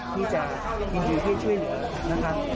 ที่จะยินดีที่จะช่วยเหลือนะคะ